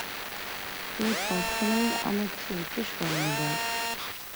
তুমি কখনোই আমায় কিছু জিজ্ঞেস করোনি, বব।